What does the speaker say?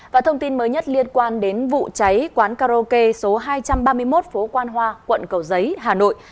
và thông tin mới nhất liên quan đến vụ cháy quán karaoke số hai trăm ba mươi một phố quan hoa quận cầu giấy hà nội